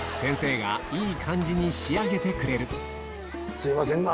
すいませんが。